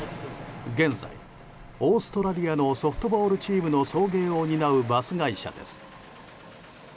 現在、オーストラリアのソフトボールチームの送迎を担うバス会社です。